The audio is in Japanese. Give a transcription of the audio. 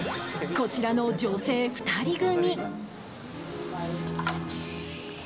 こちらの女性２人組。